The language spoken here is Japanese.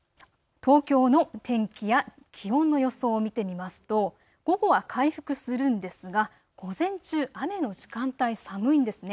東京の天気や気温の予想を見てみますと午後は回復するんですが、午前中、雨の時間帯、寒いんですね。